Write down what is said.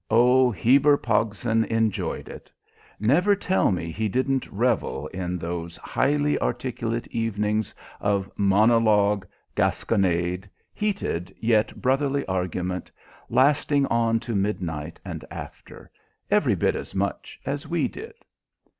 Oh! Heber Pogson enjoyed it. Never tell me he didn't revel in those highly articulate evenings of monologue, gasconade, heated yet brotherly argument, lasting on to midnight and after, every bit as much as we did!